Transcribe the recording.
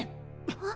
あっ！